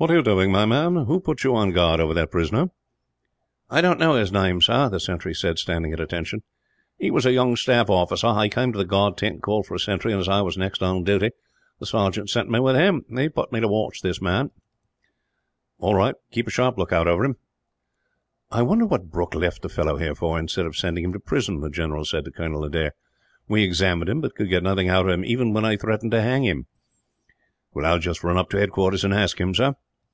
"What are you doing, my man? Who put you on guard over that prisoner?" "I don't know his name, sir," the sentry said, standing at attention. "He was a young staff officer. He came to the guard tent and called for a sentry and, as I was next on duty, the sergeant sent me with him. He put me to watch this man." "All right; keep a sharp lookout over him. "I wonder what Brooke left the fellow here for, instead of sending him to prison," the general said to Colonel Adair. "We examined him, but could get nothing out of him, even when I threatened to hang him." "I will just run up to his quarters and ask him, sir."